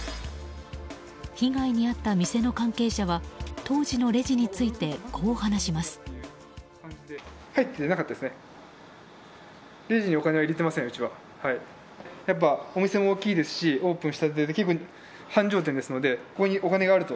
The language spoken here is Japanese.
被害に遭った店の関係者は当時のレジについてこう話します。